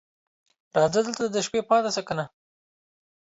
راځه دلته د شپې پاتې شه کنه